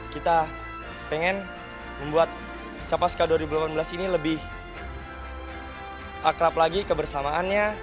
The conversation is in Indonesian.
kita pengen membuat capaska dua ribu delapan belas ini lebih akrab lagi kebersamaannya